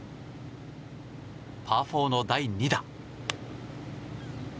パー４の第２打。